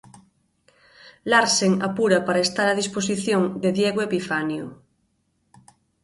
Larsen apura para estar a disposición de Diego Epifanio.